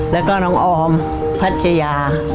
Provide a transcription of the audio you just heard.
แล้วก็น้องออมพัชยา